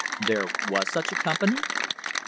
There was such a company ? A